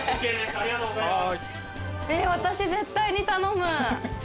ありがとうございます。